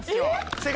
正解。